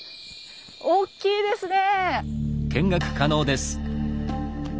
おっきいですね！